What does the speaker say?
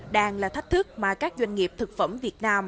đang là thách thức mà các doanh nghiệp thực phẩm việt nam